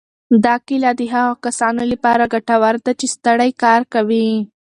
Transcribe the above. دا کیله د هغو کسانو لپاره ګټوره ده چې ستړی کار کوي.